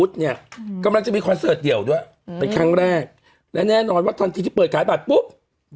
กำลังจะมีคอนเสิร์ตเดี่ยวด้วยเป็นครั้งแรกและแน่นอนว่าทันทีที่เปิดขายบัตรปุ๊บ